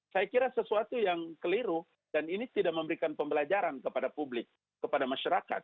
saya kira sesuatu yang keliru dan ini tidak memberikan pembelajaran kepada publik kepada masyarakat